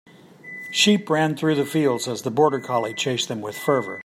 Sheep ran through the fields as the border collie chased them with fervor.